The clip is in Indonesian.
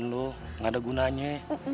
nggak ada gunanya